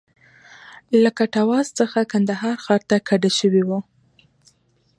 له کټواز څخه کندهار ښار ته کډه شوی و.